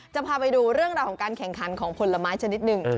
จะพาไปดูเรื่องราวของการแข่งขันของผลไม้ชนิดหนึ่ง